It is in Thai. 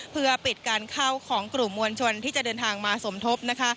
เพื่อปิดการเข้าของกลุ่มมวลชนที่จะเดินทางมาสมทบ